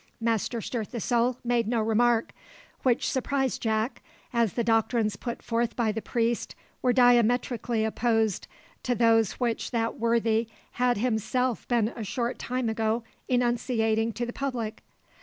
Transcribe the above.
Master Stirthesoul made no remark, which surprised Jack, as the doctrines put forth by the priest were diametrically opposed to those which that worthy had himself been a short time ago enunciating to the public.